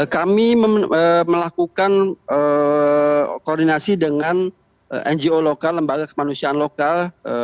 kami melakukan koordinasi dengan ngo lokal lembaga kemanusiaan lokal